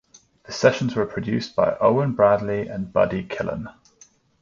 The sessions were produced by Owen Bradley and Buddy Killen.